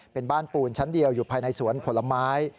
เป็นบ้านปูนชั้นเดียวอยู่ภายในสวนผลไม้